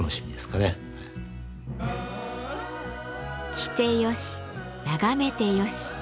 着て良し眺めて良し。